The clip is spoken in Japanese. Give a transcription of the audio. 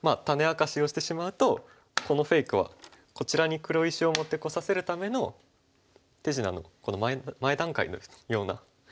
種明かしをしてしまうとこのフェイクはこちらに黒石を持ってこさせるための手品の前段階のような。